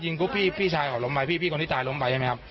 ปุ๊บพี่ชายเขาล้มไปพี่พี่คนที่ตายล้มไปใช่ไหมครับ